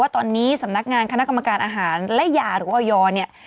ตอนนี้สำนักงานคณะกรรมการอาหารและยาหรือออยเนี่ย